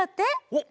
おっ！